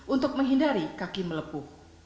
untuk menghindari kaki melepuh